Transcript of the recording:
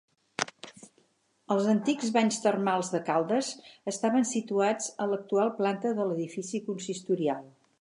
Els antics banys termals de Caldes estaven situats a l'actual planta de l'edifici consistorial.